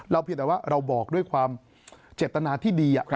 เพียงแต่ว่าเราบอกด้วยความเจตนาที่ดี